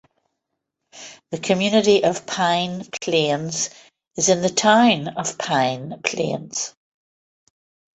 The community of Pine Plains is in the town of Pine Plains.